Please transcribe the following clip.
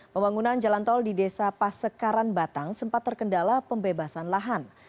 pembangunan jalan tol di desa pasekaran batang sempat terkendala pembebasan lahan